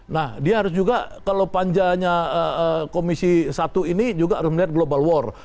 nah dia harus juga kalau panjanya komisi satu ini juga harus melihat global war